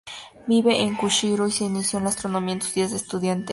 Vive en Kushiro y se inició en la astronomía en sus días de estudiante.